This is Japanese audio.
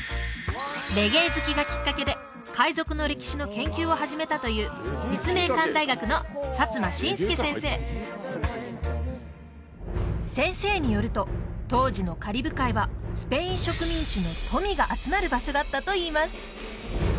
レゲエ好きがきっかけで海賊の歴史の研究を始めたという立命館大学の薩摩真介先生先生によると当時のカリブ海はスペイン植民地の富が集まる場所だったといいます